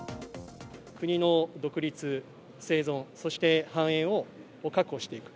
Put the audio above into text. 国の独立生存、そして繁栄を確保していく。